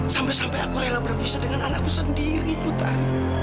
sampai sampai aku rela bervisa dengan anakku sendiri putar